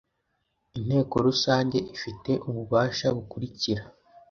inteko rusange ifite ububasha bukurikira